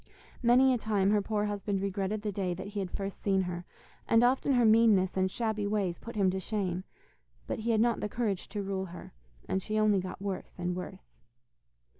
Many a time her poor husband regretted the day that he had first seen her, and often her meanness and shabby ways put him to shame. But he had not the courage to rule her, and she only got worse and worse.